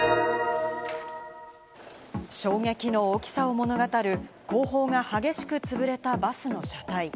衝撃の大きさを物語る、後方が激しく潰れたバスの車体。